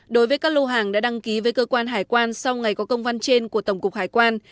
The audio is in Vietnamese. đối với các lô hàng đã đăng ký với cơ quan hải quan sau ngày có công văn trên của tổng cục hải quan